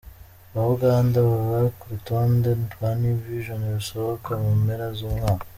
ba Uganda baba ku rutonde rwa New Vision rusohoka mu mpera zumwaka.